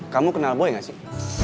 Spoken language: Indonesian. kamu kenal boy ga sih